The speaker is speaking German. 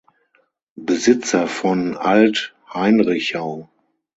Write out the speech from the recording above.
Besitzer von Alt Heinrichau.